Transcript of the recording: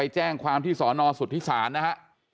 แจ้งความที่สอนอสุทธิศาลนะฮะ